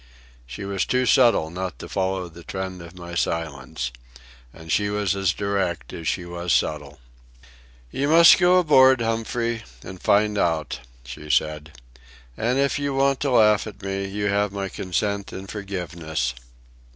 She was too subtle not to follow the trend of my silence. And she was as direct as she was subtle. "You must go aboard, Humphrey, and find out," she said. "And if you want to laugh at me, you have my consent and forgiveness."